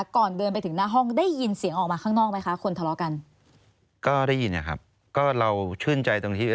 ก็ได้ยินนะครับก็เราชื่นใจตรงนี้